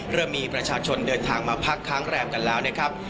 เริ่มมีประชาชนเดินทางมาพักค้างแรมกันแล้วนะครับ